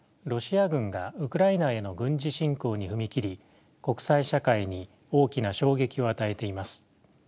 ロシア軍がウクライナへの軍事侵攻に踏み切り国際社会に大きな衝撃を与えています。